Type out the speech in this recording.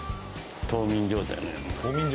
冬眠状態。